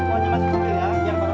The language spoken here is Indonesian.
pak cepetan mak